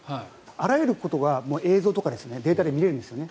あらゆることがデータとか映像で見れるんですね。